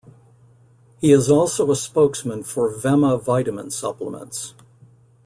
He is also a spokesman for Vemma vitamin supplements.